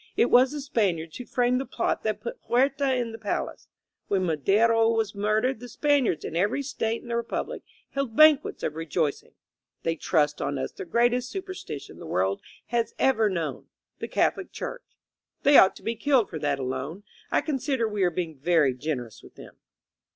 It was the Spaniards who framed the plot that put Huerta in the palace. When Madero was murdered the Spaniards in every State in the Republic held banquets of rejoicing. They thrust on us the greatest super stition the world has ever known — ^the Catholic Church. They ought to be killed for that alone. I consider we are being very generous with them.'